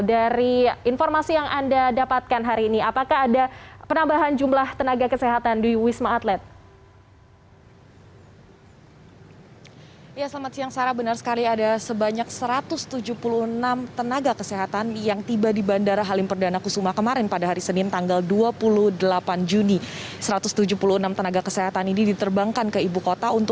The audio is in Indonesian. dari informasi yang anda dapatkan hari ini apakah ada penambahan jumlah tenaga kesehatan di wisma atlet